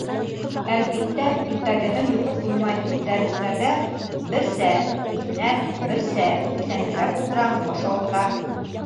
Әлбиттә, иртәгеһен йоҡо туймай, дәрестәрҙә берсә иҫнәп, берсә иҫәнгерәп ултырам, баш ауырта.